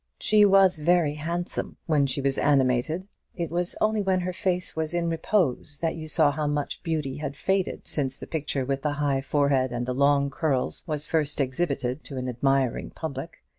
She was very handsome when she was animated; it was only when her face was in repose that you saw how much her beauty had faded since the picture with the high forehead and the long curls was first exhibited to an admiring public.